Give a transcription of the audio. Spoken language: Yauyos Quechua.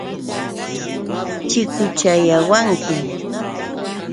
Chikuchayawanki.